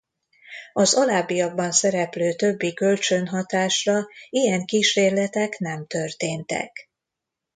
Az alábbiakban szereplő többi kölcsönhatásra ilyen kísérletek nem történtek.